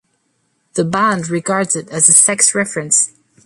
The band regards it as a sex reference.